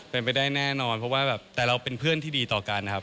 เป็นไปได้แน่นอนเพราะว่าแบบแต่เราเป็นเพื่อนที่ดีต่อกันนะครับ